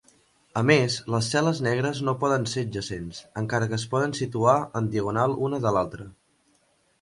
A més, les cel·les negres no poden ser adjacents, encara que es poden situar en diagonal una de l'altra.